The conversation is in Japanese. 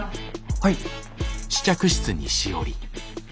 はい。